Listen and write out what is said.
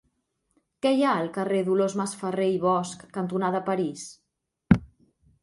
Què hi ha al carrer Dolors Masferrer i Bosch cantonada París?